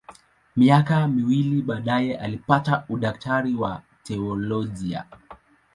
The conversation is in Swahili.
Miaka miwili baadaye alipata udaktari wa teolojia.